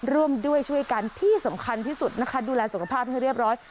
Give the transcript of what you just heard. ร่วมด้วยช่วยกันที่สำคัญที่สุดนะคะดูแลสุขภาพให้เรียบร้อย